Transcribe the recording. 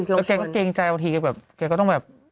แล้วแกก็เกรงใจบางทีแบบ